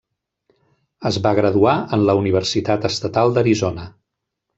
Es va graduar en la Universitat Estatal d'Arizona.